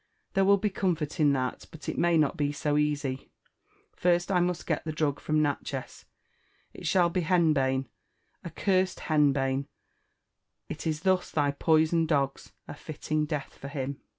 There will be comfort in that, but it may not bo so easy,*— first, I must get the drug from Natchez. — It shall be henbane, accursed henbane, — it is thus they poison dogs— a fitting death for him